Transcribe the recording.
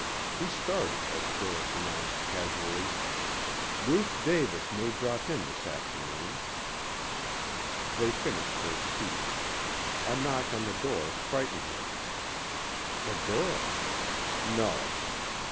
He started as Doris announced casually, "Ruth Davis may drop in this afternoon." They finished their tea. A knock on the door frightened him. The girl! No.